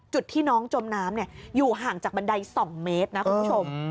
จุดที่น้องจมน้ำอยู่ห่างจากบันได๒เมตรนะคุณผู้ชม